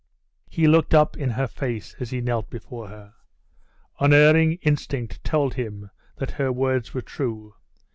He looked up in her face as he knelt before her. Unerring instinct told him that her words were true.